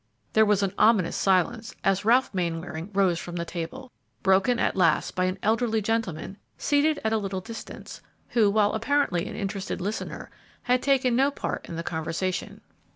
There was an ominous silence as Ralph Mainwaring rose from the table, broken at last by an elderly gentleman seated at a little distance, who, while apparently an interested listener, had taken no part in the conversation.